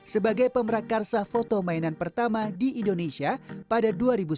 sebagai pemerakarsa foto mainan pertama di indonesia pada dua ribu sepuluh